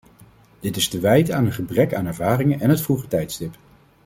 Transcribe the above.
Dit is te wijten aan een gebrek aan ervaring en het vroege tijdstip.